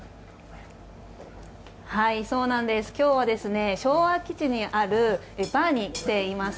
今日は昭和基地にあるバーに来ています。